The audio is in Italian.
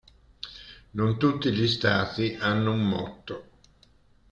Non tutti gli stati hanno un motto.